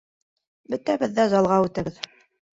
Бөтәбеҙ ҙә залға үтәбеҙ.